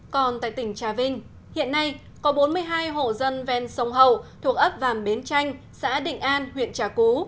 còn tại tỉnh trà vinh hiện nay có bốn mươi hai hộ dân ven sông hậu thuộc ấp vàm bến chanh xã định an huyện trà cú